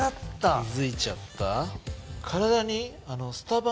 気付いちゃった？